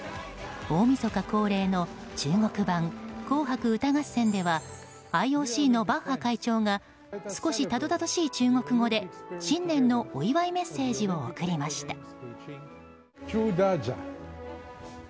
大みそか恒例の中国版「紅白歌合戦」ではＩＯＣのバッハ会長が少したどたどしい中国語で新年のお祝いメッセージを送りました。